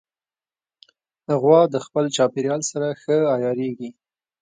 غوا د خپل چاپېریال سره ښه عیارېږي.